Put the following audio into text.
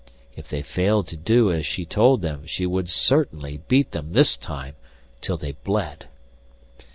If they failed to do as she told them she would certainly beat them this time till they bled.